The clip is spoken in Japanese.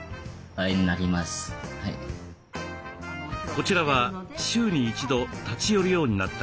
こちらは週に一度立ち寄るようになった方。